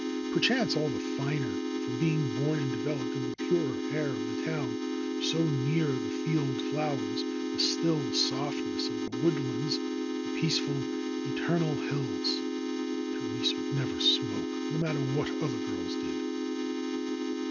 Perchance all the finer for being born and developed in the purer air of the town, so near the field flowers, the still softness of the woodlands, the peaceful, eternal hills. Therese would never smoke, no matter what other girls did.